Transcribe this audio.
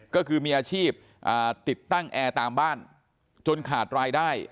ก็คือมีอาชีพติดตั้งแอร์ตามบ้านจนขาดรายได้